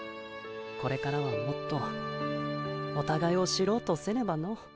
これからはもっとおたがいを知ろうとせねばの。